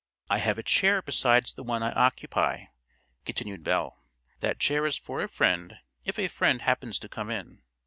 "I have a chair besides the one I occupy," continued Belle. "That chair is for a friend if a friend happens to come in.